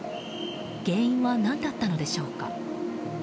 原因は何だったのでしょうか。